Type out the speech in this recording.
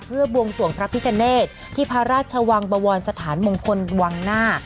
เพื่อบวงสวงพระพิกเนตที่พระราชวังบวรสถานมงคลวังหน้า